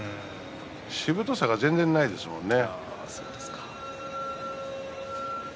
しぶとさが全然ないですものね。